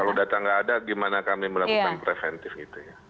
kalau data nggak ada gimana kami melakukan preventif gitu ya